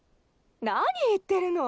何言ってるの。